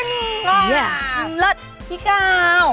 ตายแล้วพี่กาว